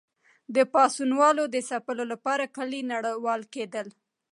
د پاڅونوالو د ځپلو لپاره کلي نړول کېدل.